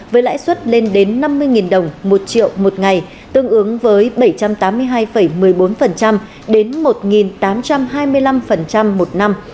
với lãi suất lên đến năm mươi đồng một triệu một ngày tương ứng với bảy trăm tám mươi hai một mươi bốn đến một tám trăm hai mươi năm một năm